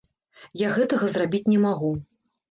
Я гэтага зрабіць не магу.